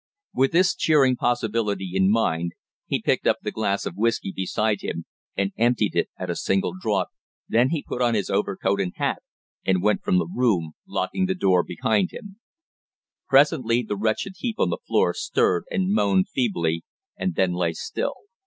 With this cheering possibility in mind, he picked up the glass of whisky beside him and emptied it at a single draught, then he put on his overcoat and hat and went from the room, locking the door behind him. Presently the wretched heap on the floor stirred and moaned feebly, and then lay still.